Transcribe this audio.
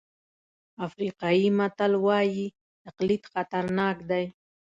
افریقایي متل وایي تقلید خطرناک دی.